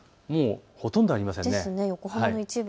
ほとんどありませんね。